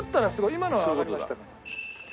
今のはわかりましたから。